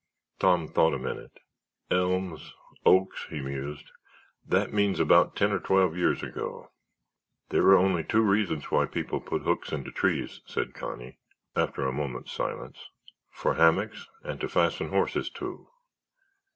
Tom thought a minute. "Elms, oaks," he mused, "that means about ten or twelve years ago." "There are only two reasons why people put hooks into trees," said Connie, after a moment's silence; "for hammocks and to fasten horses to.